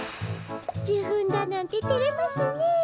じゅふんだなんててれますねえ。